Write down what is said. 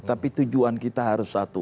tapi tujuan kita harus satu